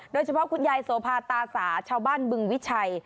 โดยเฉพาะคุณยายสวพาตาสาชาวบ้านบึงวิชัย